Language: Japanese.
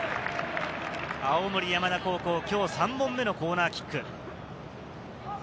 青森山田高校、今日３本目のコーナーキック。